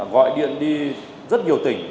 gọi điện đi rất nhiều tỉnh